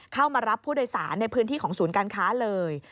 เข้ามารับผู้โดยสารในพื้นที่ของศูนย์การค้าเลย